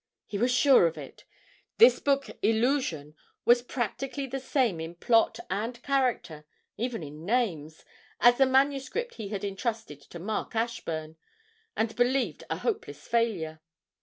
He was sure of it; this book 'Illusion' was practically the same in plot and character even in names as the manuscript he had entrusted to Mark Ashburn, and believed a hopeless failure.